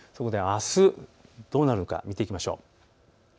あす、どうなるか見ていきましょう。